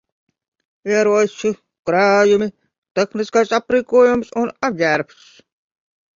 Ieroči, krājumi, tehniskais aprīkojums un apģērbs.